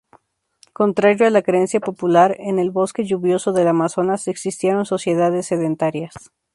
Contrario a la creencia popular, en el bosque lluvioso del Amazonas existieron sociedades sedentarias.